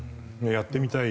やってみたい？